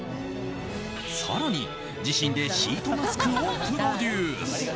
更に、自身でシートマスクをプロデュース。